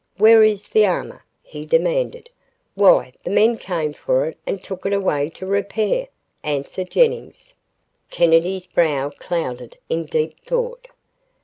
"Where is the armor?" he demanded. "Why, the men came for it and took it away to repair," answered Jennings. Kennedy's brow clouded in deep thought.